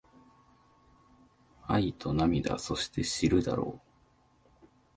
愛と涙そして知るだろう